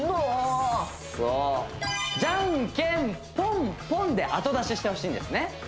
ジャンケンポン・ポンで後出ししてほしいんですね